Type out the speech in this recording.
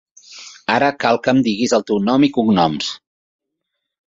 Ara cal que em diguis el teu nom i cognoms.